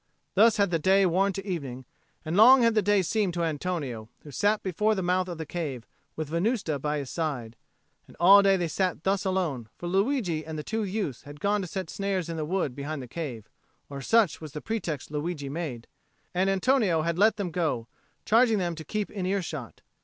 Thus had the day worn to evening, and long had the day seemed to Antonio, who sat before the mouth of the cave, with Venusta by his side. All day they had sat thus alone, for Luigi and the two youths had gone to set snares in the wood behind the cave or such was the pretext Luigi made; and Antonio had let them go, charging them to keep in earshot.